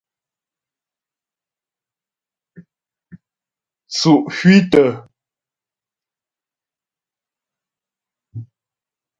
Tsʉ́' kwítə.